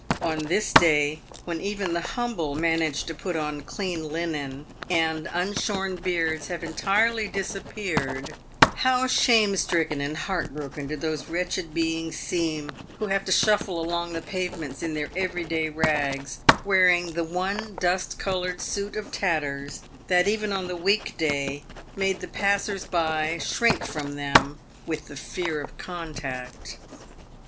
On this day, when even the humble manage to put on clean linen, and unshorn beards have entirely disappeared, how shame stricken and heart broken do those wretched beings seem who have to shuffle along the pavements in their every day rags, wearing the one dust coloured suit of tatters that even on the week day made the passers by shrink from them with the fear of contact.